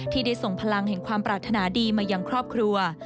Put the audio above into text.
ที่ได้ส่งพลังแห่งความปรารถนาดีมายังครอบครัว